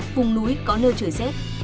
vùng núi có nơi trời xét